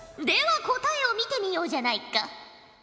では答えを見てみようじゃないか。